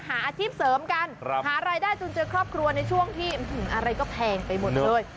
หาอาชีพเสริมกันหารายได้จนเจอครอบครัวในช่วงที่อะไรก็แพงไปหมดเลย